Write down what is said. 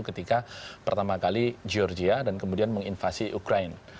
ketika pertama kali georgia dan kemudian menginvasi ukraine